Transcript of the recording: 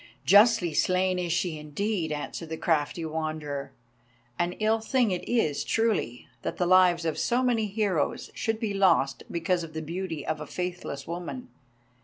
"Justly slain is she indeed," answered the crafty Wanderer. "An ill thing is it, truly, that the lives of so many heroes should be lost because of the beauty of a faithless woman.